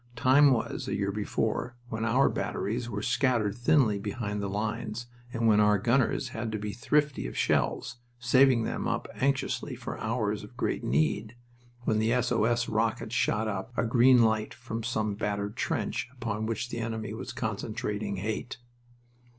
Time was, a year before, when our batteries were scattered thinly behind the lines and when our gunners had to be thrifty of shells, saving them up anxiously for hours of great need, when the S O S rocket shot up a green light from some battered trench upon which the enemy was concentrating "hate."